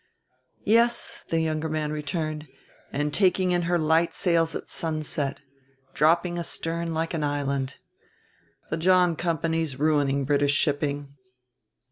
"Yes," the younger man returned, "and taking in her light sails at sunset, dropping astern like an island. The John Company's ruining British shipping."